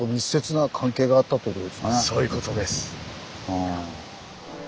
そういうことです。